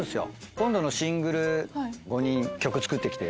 「今度のシングル５人曲作って来て」。